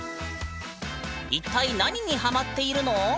一体何にハマっているの？